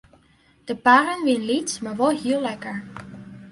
De parren wienen lyts mar wol heel lekker.